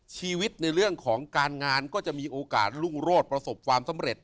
ชีวิตในเรื่องของการงานก็จะมีโอกาสรุ่งโรดประสบความสำเร็จ